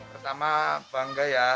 pertama bangga ya